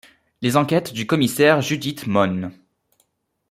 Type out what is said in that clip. Les enquêtes du commissaire Judith Mohn.